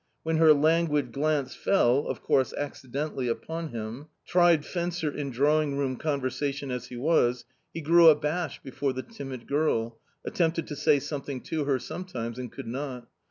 When her languid glance fell, of course accidentally, upon him, tried fencer in drawing room conversation as he was, he grew abashed before the timid girl, attempted to say something to her some times and could not.